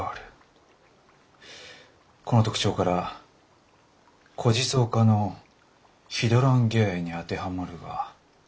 この特徴から虎耳草科のヒドランゲアエに当てはまるが。